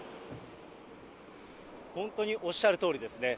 本当におっしゃるとおりですね。